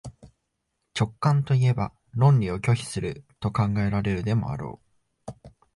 直観といえば論理を拒否すると考えられるでもあろう。